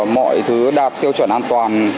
mọi thứ đạt tiêu chuẩn an toàn